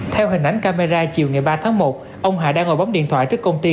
theo hình ảnh camera chiều ngày ba tháng một ông hà đang ngồi bóng điện thoại trước công ty